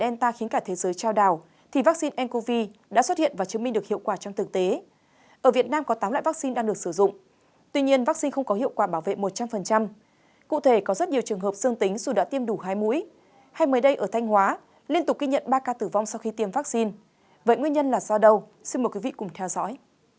liên tục ghi nhận ba ca tử vong sau khi tiêm vaccine vậy nguyên nhân là do đâu xin mời quý vị cùng theo dõi